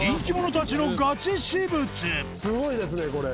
すごいですねこれ。